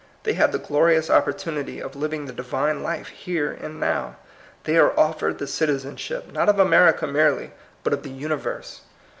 They have the glorious opportunity of living the Divine life here and now. They are offered the citizenship, not of America merely, but of the universe.